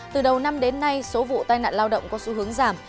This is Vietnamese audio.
từ đầu năm đến nay số vụ tai nạn lao động có xu hướng giảm